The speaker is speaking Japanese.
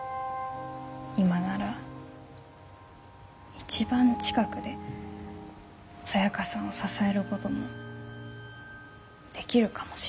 今なら一番近くでサヤカさんを支えるごどもできるかもしれない。